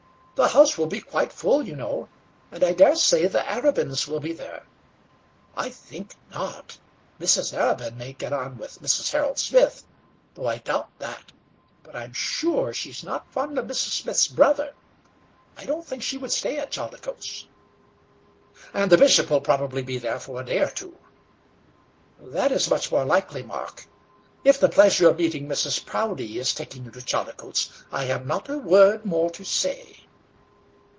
The house will be quite full, you know; and I dare say the Arabins will be there." "I think not; Mrs. Arabin may get on with Mrs. Harold Smith, though I doubt that; but I'm sure she's not fond of Mrs. Smith's brother. I don't think she would stay at Chaldicotes." "And the bishop will probably be there for a day or two." "That is much more likely, Mark. If the pleasure of meeting Mrs. Proudie is taking you to Chaldicotes, I have not a word more to say."